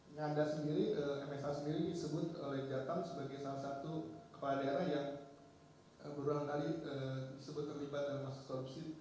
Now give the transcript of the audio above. nganda sendiri msa sendiri disebut oleh jatam sebagai salah satu kepala daerah yang berulang kali disebut terlibat dalam kasus korupsi